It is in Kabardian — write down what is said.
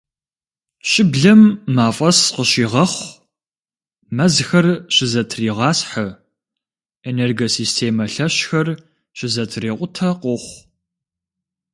Щыблэм мафӏэс къыщигъэхъу, мэзхэр щызэтригъасхьэ, энергосистемэ лъэщхэр щызэтрикъутэ къохъу.